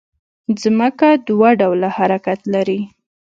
ځمکه دوه ډوله حرکت لري